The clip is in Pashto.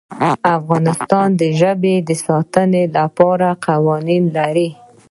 افغانستان د ژبې د ساتنې لپاره قوانین لري.